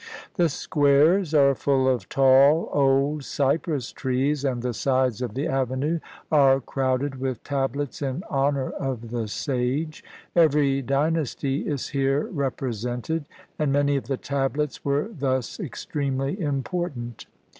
The squares are full of tall old cypress trees, and the sides of the avenue are crowded with tablets in honor of the sage; every dynasty is here represented, and many of the tablets were thus extremely important.